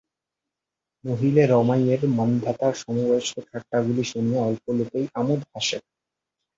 নহিলে রমাইয়ের মান্ধাতার সমবয়স্ক ঠাট্টাগুলি শুনিয়া অল্প লোকই আমোদে হাসে।